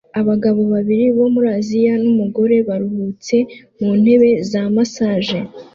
Abagabo babiri bo muri Aziya numugore baruhutse mu ntebe za massage